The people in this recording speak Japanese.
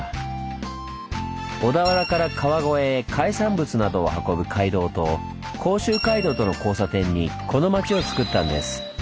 小田原から川越へ海産物などを運ぶ街道と甲州街道との交差点にこの町をつくったんです。